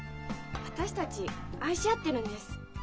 私たち愛し合ってるんです。